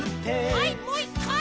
はいもう１かい！